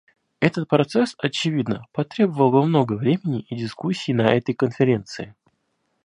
Этот процесс, очевидно, потребовал бы много времени и дискуссий на этой Конференции.